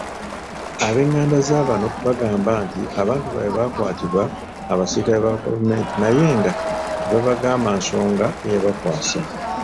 Ab'enganda za bano bagamba nti abantu baabwe baakwatibwa abasirikale ba gavumenti naye nga tebaabagamba nsonga eyabakwasa.